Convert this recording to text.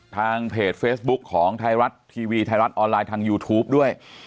ทางเพจเฟซบุ๊คของไทยรัฐทีวีไทยรัฐออนไลน์ทางยูทูปด้วย